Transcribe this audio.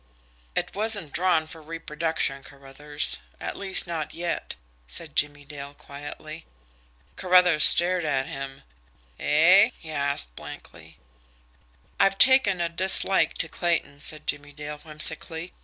"It wasn't drawn for reproduction, Carruthers at least not yet," said Jimmie Dale quietly. Carruthers stared at him. "Eh?" he asked blankly. "I've taken a dislike to Clayton," said Jimmie Dale whimsically.